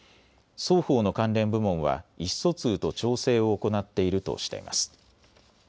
双方の関連部門は意思疎通と調整を行っているとしています。